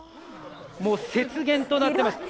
もう雪原となっています。